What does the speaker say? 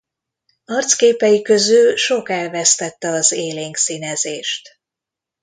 Arcképei közül sok elvesztette az élénk színezést.